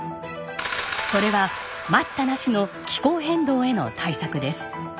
それは待ったなしの気候変動への対策です。